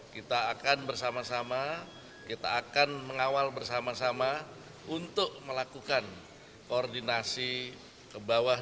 kita akan bersama sama kita akan mengawal bersama sama untuk melakukan koordinasi ke bawah